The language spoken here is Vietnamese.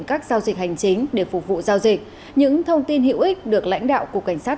các giao dịch hành chính để phục vụ giao dịch những thông tin hữu ích được lãnh đạo cục cảnh sát